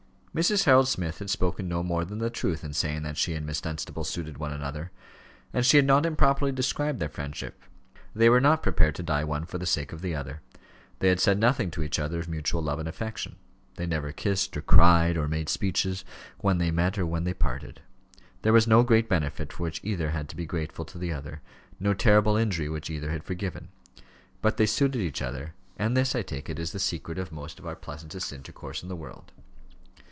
Mrs. Harold Smith had spoken no more than the truth in saying that she and Miss Dunstable suited one another. And she had not improperly described their friendship. They were not prepared to die, one for the sake of the other. They had said nothing to each other of mutual love and affection. They never kissed, or cried, or made speeches, when they met or when they parted. There was no great benefit for which either had to be grateful to the other; no terrible injury which either had forgiven. But they suited each other; and this, I take it, is the secret of most of our pleasantest intercourse in the world.